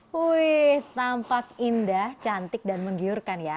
wih tampak indah cantik dan menggiurkan ya